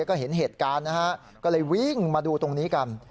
ก็เห็นเหตุการณ์นะฮะก็เลยวิ่งมาดูตรงนี้กัน